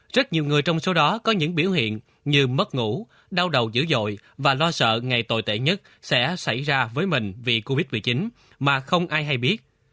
rất nhiều người trong số đó có những biểu hiện như mất ngủ đau đầu dữ dội và lo sợ ngày tồi tệ nhất sẽ xảy ra với mình vì covid một mươi chín mà không ai hay biết